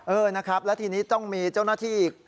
เออนะครับแล้วทีนี้ต้องมีเจ้าหน้าที่อีก